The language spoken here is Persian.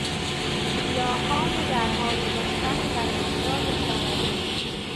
گیاهان در حال رستن در امتداد کرانه